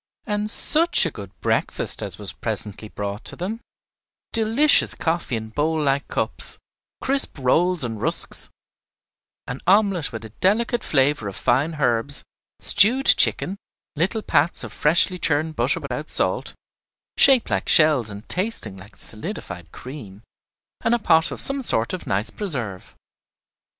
And such a good breakfast as was presently brought to them, delicious coffee in bowl like cups, crisp rolls and rusks, an omelette with a delicate flavor of fine herbs, stewed chicken, little pats of freshly churned butter without salt, shaped like shells and tasting like solidified cream, and a pot of some sort of nice preserve.